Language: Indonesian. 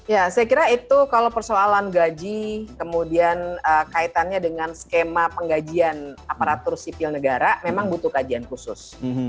ya saya kira itu kalau persoalan gaji kemudian kaitannya dengan skema penggajian aparatur sipil negara memang butuh kajian khusus